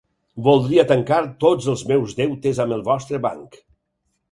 Voldria tancar tots els meus deutes amb el vostre banc.